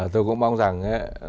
tôi cũng mong rằng